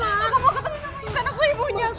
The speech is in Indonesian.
aku mau ketemu sama intan aku ibunya